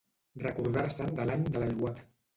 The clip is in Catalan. Recordar-se'n de l'any de l'aiguat.